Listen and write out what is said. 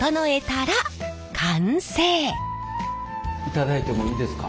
頂いてもいいですか？